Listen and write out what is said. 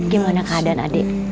gimana keadaan adik